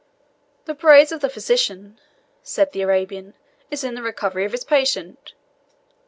"The praise of the physician," said the Arabian, "is in the recovery of his patient.